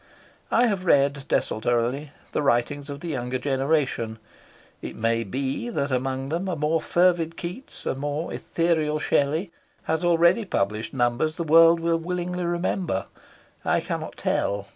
I have read desultorily the writings of the younger generation. It may be that among them a more fervid Keats, a more ethereal Shelley, has already published numbers the world will willingly remember. I cannot tell.